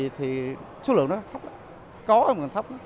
thì số lượng nó thấp có mà thấp